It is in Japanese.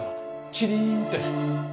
チリーンって？